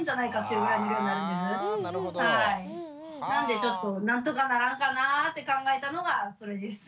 なんでちょっと何とかならんかなぁって考えたのがこれです。